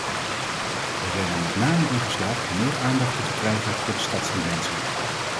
Wij zijn er met name in geslaagd meer aandacht te verkrijgen voor de stadsdimensie.